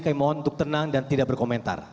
kami mohon untuk tenang dan tidak berkomentar